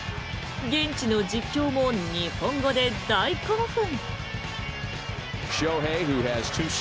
現地の実況も日本語で大興奮。